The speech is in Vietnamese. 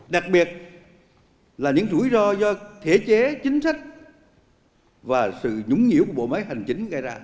đặc biệt là những rủi ro do thể chế chính sách và sự nhũng nhỉu của bộ máy hành chính gây ra